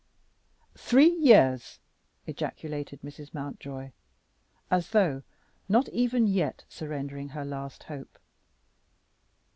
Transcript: "Three years!" ejaculated Mrs. Mountjoy, as though not even yet surrendering her last hope.